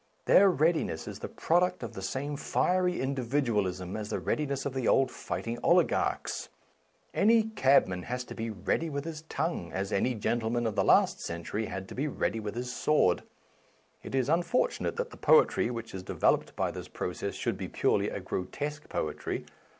Their readiness is the product of the same fiery individualism as the readi ness of the old fighting oligarchs. Any cabman has to be ready with his tongue, as any gentleman of the last century had to be ready with his sword. It is unfortunate that the poetry which is developed by this process should be purely a grotesque poetry.